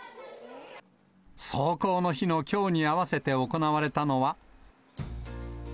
霜降の日のきょうに合わせて行われたのは。